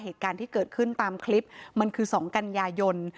เหตุการณ์ที่เกิดขึ้นตามคลิปมันคือ๒กันยายน